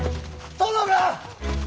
殿が！